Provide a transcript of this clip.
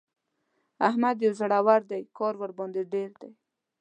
احمد يو وزری دی؛ کار ورباندې ډېر دی.